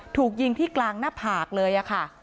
ถูกยิงที่กลางหน้าผากเลยค่ะ